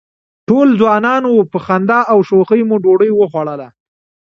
ټول ځوانان وو، په خندا او شوخۍ مو ډوډۍ وخوړله.